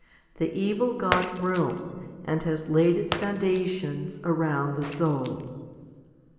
3 The evil got room, and has laid its foundations around the soul.